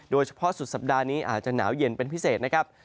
สุดสัปดาห์นี้อาจจะหนาวเย็นเป็นพิเศษนะครับ